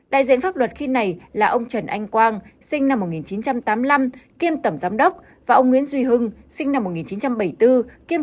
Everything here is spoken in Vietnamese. đại diện pháp luật khi này là ông trần anh quang sinh năm một nghìn chín trăm tám mươi năm kiêm tầm giám đốc và ông nguyễn duy hưng sinh năm một nghìn chín trăm bảy mươi bốn kiêm chủ tịch hội đồng quản trị công ty